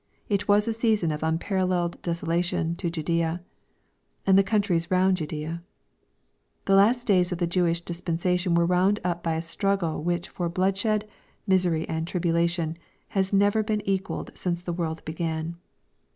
It was a season of unparalleled desolation to Judaea, and the countries round about Judaea. The last days of the Jewish dis* pensation were wound up by a struggle which for blood shed, misery, and tribulation, has never been equalled since the world began.